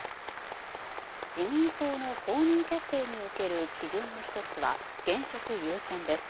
自民党の公認決定における基準の１つは現職優先です。